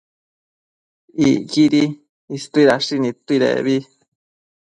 Icquidi istuidashi nidtuidebi